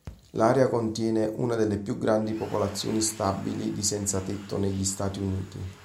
L'area contiene una delle più grandi popolazioni stabili di senzatetto negli Stati Uniti.